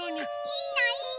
いいのいいの。